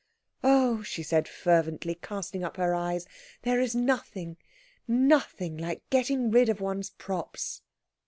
Oh," she said fervently, casting up her eyes, "there is nothing, nothing like getting rid of one's props!"